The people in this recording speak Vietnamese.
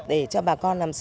để cho bà con làm sao